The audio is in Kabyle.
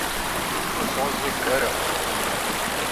Ur sεuẓẓuget ara.